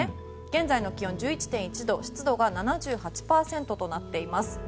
現在の気温、１１．１度湿度が７８％となっています。